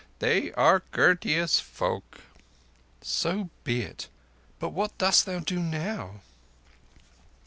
They are courteous folk." "So be it; but what dost thou do now?"